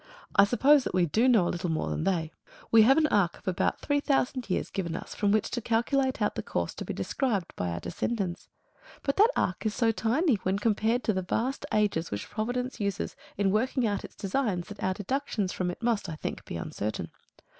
I suppose that we DO know a little more than they. We have an arc of about three thousand years given us, from which to calculate out the course to be described by our descendants; but that arc is so tiny when compared to the vast ages which Providence uses in working out its designs that our deductions from it must, I think, be uncertain.